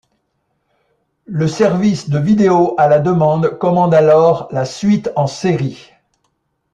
Le service de vidéo à la demande commande alors la suite en série.